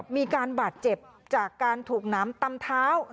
มีการบาดเจ็บจากการถูกน้ำตำเท้า